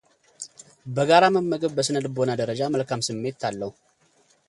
በጋራ መመገብ በሥነ ልቦና ደረጃ መልካም ስሜት አለው።